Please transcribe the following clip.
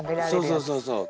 そうそうそうそう。